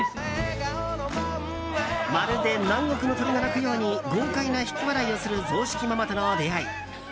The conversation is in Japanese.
まるで南国の鳥が鳴くように豪快なひき笑いをする雑色ママとの出会い。